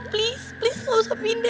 please please gak usah pindah ya